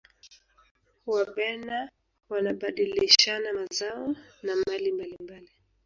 wabena wanabadilishana mazao na mali mbalimbali